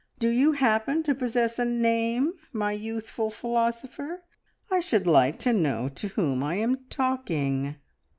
Do you happen to possess a name, my youthful philosopher? I should like to know to whom I am talking."